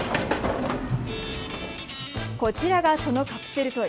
こちらがそのカプセルトイ。